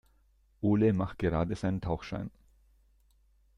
Ole macht gerade seinen Tauchschein.